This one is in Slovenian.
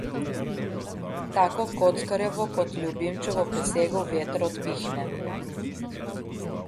Tako kockarjevo kot ljubimčevo prisego veter odpihne.